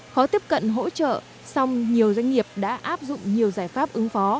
khó tiếp cận hỗ trợ song nhiều doanh nghiệp đã áp dụng nhiều giải pháp ứng phó